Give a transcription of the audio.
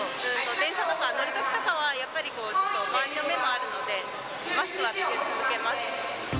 電車とか乗るときは、やっぱり周りの目もあるので、マスクは着け続けます。